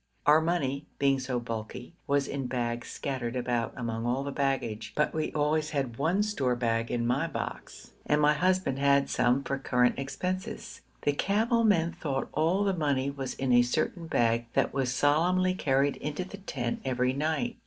Our money, being so bulky, was in bags scattered about among all the baggage, but we always had one store bag in my box, and my husband had some for current expenses. The camel men thought all the money was in a certain bag that was solemnly carried into the tent every night.